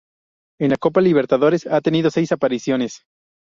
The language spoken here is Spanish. En la Copa Libertadores ha tenido seis apariciones.